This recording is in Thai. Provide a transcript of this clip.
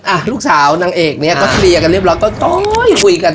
อะลูกสาวนางเอกเนี้ยก็เรียกแล้วก็โป๊ยกัน